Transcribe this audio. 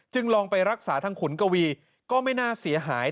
ลองไปรักษาทางขุนกวีก็ไม่น่าเสียหาย